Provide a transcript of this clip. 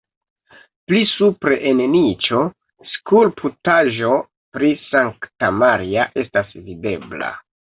Pli supre en niĉo skulptaĵo pri Sankta Maria estas videbla.